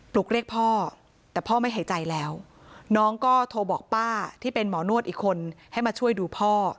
ลุกเรียกพ่อแต่พ่อไม่หายใจแล้วน้องก็โทรบอกป้าที่เป็นหมอนวดอีกคนให้มาช่วยดูพ่อ